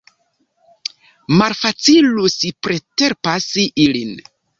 Malfacilus preterpasi ilin.